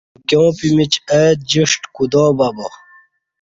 امکیاں پِیمِیچ اہ جِݜٹ کودا بہ با ۔